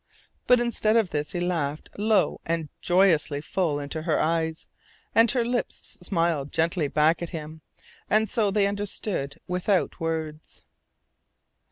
But instead of this he laughed low and joyously full into her eyes, and her lips smiled gently back at him. And so they understood without words.